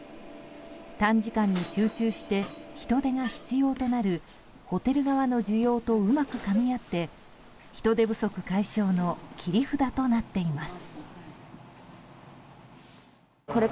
短時間に集中して人手が必要となるホテル側の需要とうまくかみ合って人手不足解消の切り札となっています。